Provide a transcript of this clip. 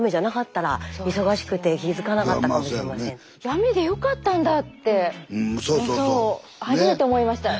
雨で良かったんだって初めて思いました。